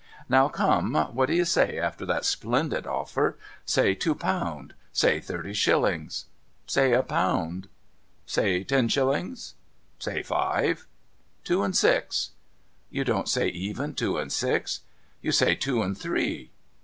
Now come ; what do you say after that splendid offer? Say two pound, say thirty shillings, say a pound, say ten shillings, say five, say two and six. You don't say even two and six ? You say two and three